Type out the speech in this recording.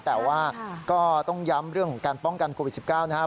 แต่ว่าก็ต้องย้ำเรื่องของการป้องกันโควิด๑๙นะครับ